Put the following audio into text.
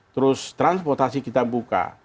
terus transportasi kita buka